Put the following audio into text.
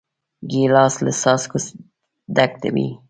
ګیلاس له څاڅکو ډک وي.